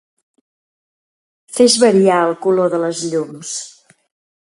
Fes variar el color de les llums.